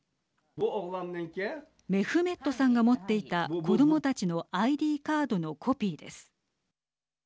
メフメットさんが持っていた子どもたちのＩＤカードのコピーです。